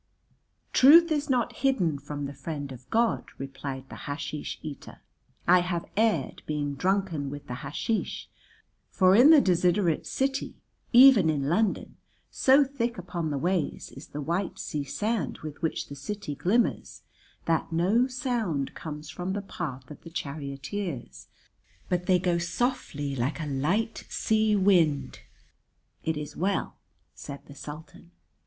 "Truth is not hidden from the Friend of God," replied the hasheesh eater, "I have erred being drunken with the hasheesh, for in the desiderate city, even in London, so thick upon the ways is the white sea sand with which the city glimmers that no sound comes from the path of the charioteers, but they go softly like a light sea wind." ("It is well," said the Sultan.)